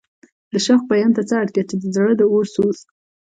د شوق بیان ته څه اړتیا چې د زړه د اور سوز.